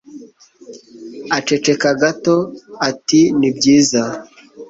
aceceka gato ati ni byiza